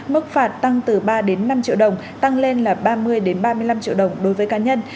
mức phạt tăng từ ba năm triệu đồng tăng lên là ba mươi ba mươi năm triệu đồng đối với cá nhân